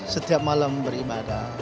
setiap malam beribadah